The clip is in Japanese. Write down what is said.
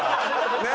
ねえ！